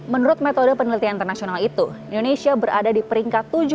menurut metode penelitian internasional itu indonesia berpengaruh dengan pendidikan yang berpengaruh